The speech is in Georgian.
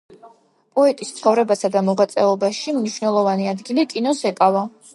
პოეტის ცხოვრებასა და მოღვაწეობაში მნიშვნელოვანი ადგილი კინოს ეკავა.